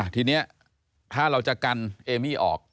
ทีนี้ถ้าเราจะกันเอมี่ออก